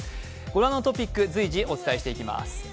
ご覧のトピック、随時お伝えしてまいります。